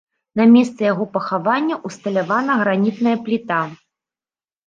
На месцы яго пахавання ўсталявана гранітная пліта.